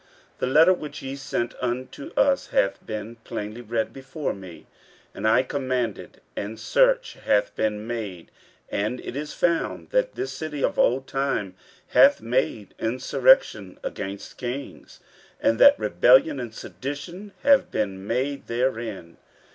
15:004:018 The letter which ye sent unto us hath been plainly read before me. 15:004:019 And I commanded, and search hath been made, and it is found that this city of old time hath made insurrection against kings, and that rebellion and sedition have been made therein.